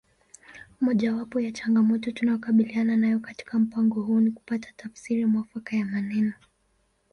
Mojawapo ya changamoto tunayokabiliana nayo katika mpango huu ni kupata tafsiri mwafaka ya maneno